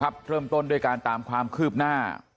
เริ่มต้นด้วยการตามความคืบหน้า